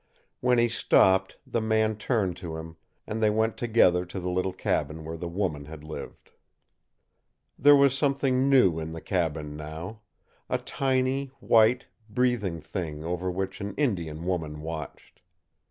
When he stopped, the man turned to him, and they went together to the little cabin where the woman had lived. There was something new in the cabin now a tiny, white, breathing thing over which an Indian woman watched.